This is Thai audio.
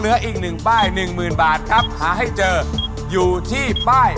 เหลืออีกหนึ่งป้าย๑๐๐๐๐บาทครับหาให้เจออยู่ที่ป้าย